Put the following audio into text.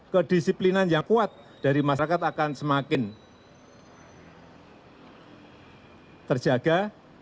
kedisiplinan yang kuat dari masyarakat akan semakin terjaga